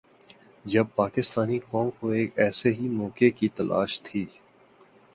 جب پاکستانی قوم کو ایک ایسے ہی موقع کی تلاش تھی۔